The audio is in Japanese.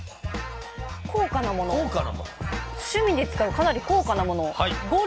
高価なもの趣味で使うかなり高価なもの